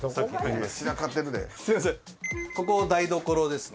ここ台所ですね。